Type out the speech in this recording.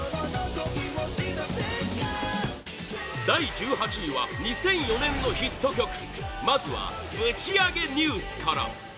第１８位は２００４年のヒット曲まずはぶちアゲニュースから